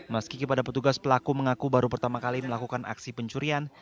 meski kepada petugas pelaku mengaku baru pertama kali melakukan aksi pencurian